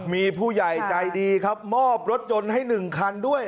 มีผู้ใหญ่ใจดีครับมอบรถยนต์ให้๑คันด้วย